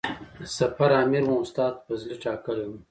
د سفر امر مو استاد فضلي ټاکلی و.